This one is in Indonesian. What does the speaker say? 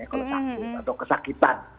kalau sakit atau kesakitan